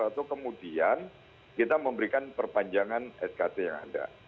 atau kemudian kita memberikan perpanjangan skt yang ada